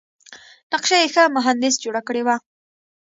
نقشه یې ښه مهندس جوړه کړې وه.